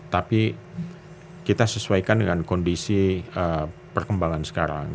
tapi kita sesuaikan dengan kondisi perkembangan sekarang